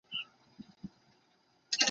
享年四十一岁。